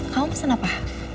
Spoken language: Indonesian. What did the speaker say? kamu pesen apa